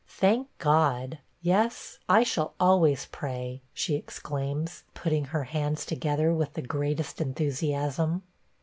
Thank God! Yes, I shall always pray,' she exclaims, putting her hands together with the greatest enthusiasm.